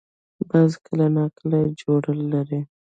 باز کله نا کله جوړه لري